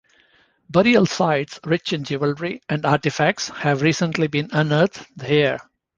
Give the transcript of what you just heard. Burial sites rich in jewelry and artifacts have recently been unearthed here.